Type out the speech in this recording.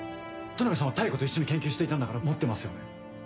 都波さんは妙子と一緒に研究していたんだから持ってますよね？